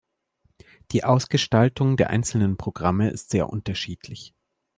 Die Ausgestaltung der einzelnen Programme ist sehr unterschiedlich.